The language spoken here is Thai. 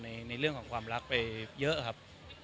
ในเรื่องของความรักไปเยอะครับ